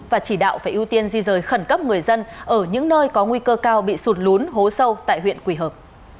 và chỉ đạo phải ưu tiên di rời khẩn cấp người dân ở những nơi có nguy cơ cao bị sụt lún hố sâu tại huyện quỳ hợp